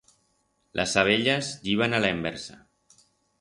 Las abellas yiban a la enversa.